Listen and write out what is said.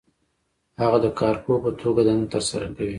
هغه د کارپوه په توګه دنده ترسره کوي.